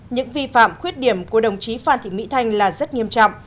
những vi phạm khuyết điểm của đồng chí phan thị mỹ thanh là rất nghiêm trọng